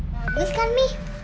bagus kan mi